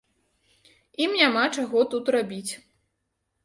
Ім няма чаго тут рабіць.